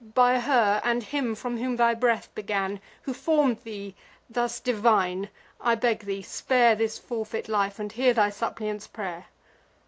By her and him from whom thy breath began, Who form'd thee thus divine, I beg thee, spare This forfeit life, and hear thy suppliant's pray'r."